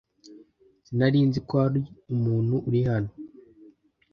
Sinari nzi ko hari umuntu uri hano